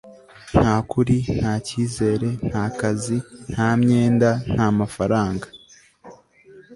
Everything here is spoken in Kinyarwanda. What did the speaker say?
nta kuri, nta cyizere, nta kazi, nta myenda, nta mafaranga